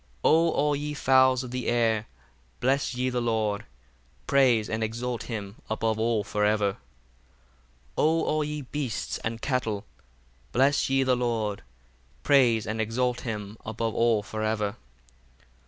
58 O all ye fowls of the air, bless ye the Lord: praise and exalt him above all for ever. 59 O all ye beasts and cattle, bless ye the Lord: praise and exalt him above all for ever.